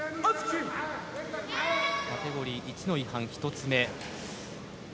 カテゴリー１の違反１つ目。